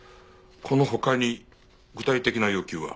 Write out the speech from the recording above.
この他に具体的な要求は？